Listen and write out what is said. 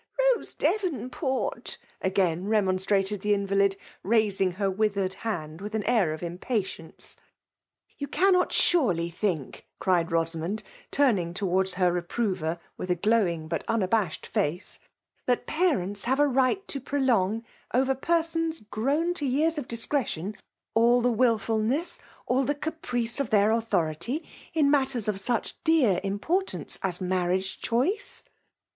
Rose Devonport! again remon strated the invalid, raising her withered hand with' an air of impatience. "You cannot surely think," cried Rosa mond, turning towards her reprover with a glowing but unabashed face, " that parents have a right to prolong, over persons grown 162 FBMALK DOMINATION. to years of discretion, all the wilftilness, all the caprice of their authority, in matters of such dear importance as a marriage choice